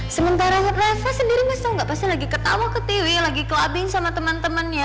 sementara reva sendiri mas tau gak pasti lagi ketawa ke tiwi lagi kelobing sama temen temennya